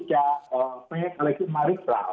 จะเฟทอะไรขึ้นมารึเปล่า